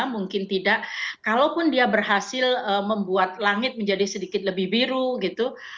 mungkin tidak kalaupun dia berhasil membuat langit menjadi sedikit lebih biru gitu